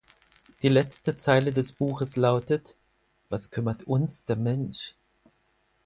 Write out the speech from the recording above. Die letzte Zeile des Buches lautet: „Was kümmert uns der Mensch?